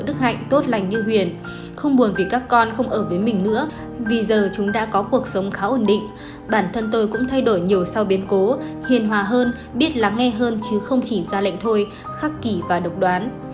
đức hạnh tốt lành như huyền không buồn vì các con không ở với mình nữa vì giờ chúng đã có cuộc sống khá ổn định bản thân tôi cũng thay đổi nhiều sao biến cố hiền hòa hơn biết lắng nghe hơn chứ không chỉ ra lệnh thôi khắc kỳ và độc đoán